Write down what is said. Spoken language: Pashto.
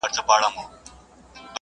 کمپيوټر معلومات خوندي کوي.